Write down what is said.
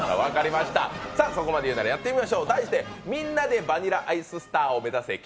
そこまで言うならやってみましょう。